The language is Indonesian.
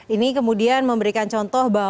ini kemudian memberikan contoh